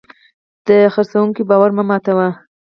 د پیرودونکي باور مه ماتوه.